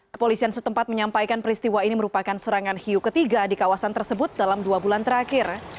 kepolisian setempat menyampaikan peristiwa ini merupakan serangan hiu ketiga di kawasan tersebut dalam dua bulan terakhir